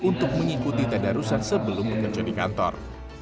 untuk mengikuti tedarusan sebelum bekerja di kantor